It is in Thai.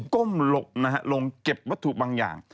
ก้มหลบนะฮะลงเก็บวัตถุบางอย่าง